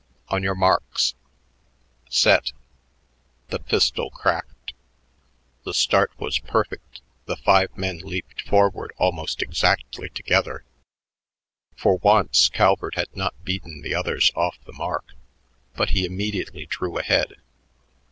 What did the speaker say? "On your marks. "Set." The pistol cracked. The start was perfect; the five men leaped forward almost exactly together. For once Calvert had not beaten the others off the mark, but he immediately drew ahead.